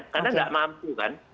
karena tidak mampu kan